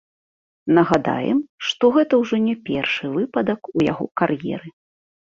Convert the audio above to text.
Нагадаем, што гэта ўжо не першы выпадак у яго кар'еры.